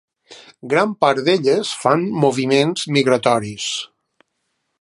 Gran part d'elles fan moviments migratoris.